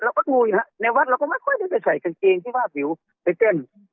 เราก็ดูอยู่ฮะในวัดเราก็ไม่ค่อยได้ไปใส่กางเกงที่ว่าผิวไปเต้น